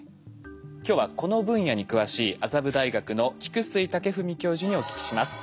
今日はこの分野に詳しい麻布大学の菊水健史教授にお聞きします。